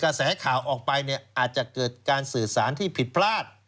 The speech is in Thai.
กระแสข่าวออกไปเนี่ยอาจจะเกิดการสื่อสารที่ผิดพลาด